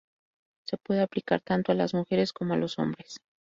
Se puede aplicar tanto a las mujeres como a los hombres.